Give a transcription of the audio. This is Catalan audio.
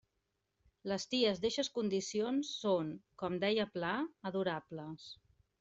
Les ties d'eixes condicions són, com deia Pla, adorables.